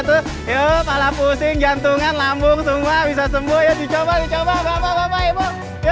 yuk malah pusing jantungan lambung semua bisa sembuh ya dicoba dicoba bapak bapak ibu